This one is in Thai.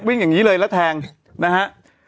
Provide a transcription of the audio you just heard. วิ่งอย่างนี้เลยแล้วแทงนะฮะ